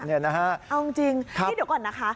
เอาจริงนี่เดี๋ยวก่อนนะคะ